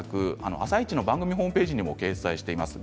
「あさイチ」の番組ホームページでも掲載しています。